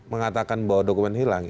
mengatakan bahwa dokumen hilang